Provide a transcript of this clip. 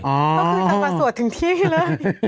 ก็คือสังวัติสวรรค์ถึงที่เลย